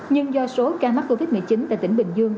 nhưng do số ca mắc covid một mươi chín tại tỉnh bình dương